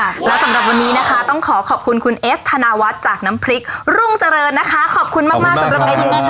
แล้วสำหรับวันนี้นะคะต้องขอขอบคุณคุณเอสธนาวัฒน์จากน้ำพริกรุ่งเจริญนะคะขอบคุณมากมากสำหรับเมนูนี้